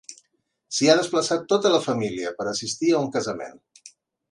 S'hi ha desplaçat tota la família per assistir a un casament.